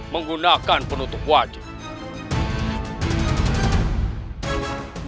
menggunakan penutup wajib